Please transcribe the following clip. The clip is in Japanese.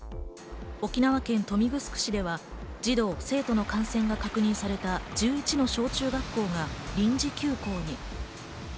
沖縄県豊見城市では児童・生徒の感染が確認された１１の小中学校が臨時休校に。